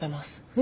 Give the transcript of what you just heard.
え